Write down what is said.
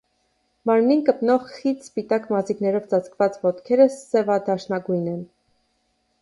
Մարմնին կպնող խիտ սպիտակ մազիկներով ծածկված ոտքերը սևադարչնագույն են։